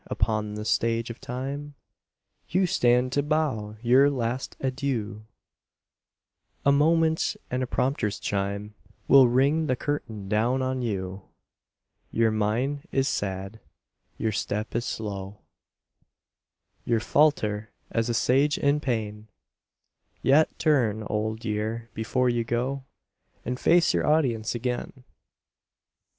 upon the Stage of Time You stand to bow your last adieu; A moment, and the prompter's chime Will ring the curtain down on you. Your mien is sad, your step is slow; You falter as a Sage in pain; Yet turn, Old Year, before you go, And face your audience again.